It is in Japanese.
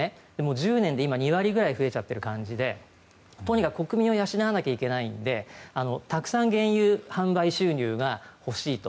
１０年で２割ぐらい増えている感じでとにかく国民を養わないといけないのでたくさん原油販売収入が欲しいと。